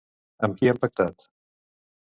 Amb qui han pactat?